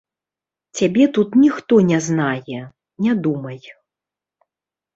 Цябе тут ніхто не знае, не думай.